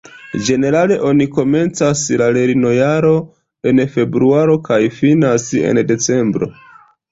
Ĝenerale oni komencas la lernojaro en februaro kaj finas en decembro.